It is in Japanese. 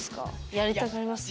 やりたくなります？